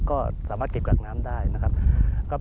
ก็สามารถเก็บกักน้ำได้นะครับ